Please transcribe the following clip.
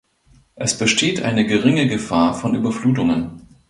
Es besteht eine geringe Gefahr von Überflutungen.